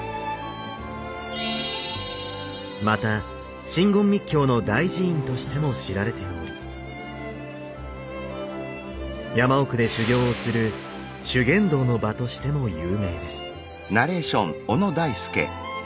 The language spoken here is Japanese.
また真言密教の大寺院としても知られており山奥で修行をする修験道の場としても有名です。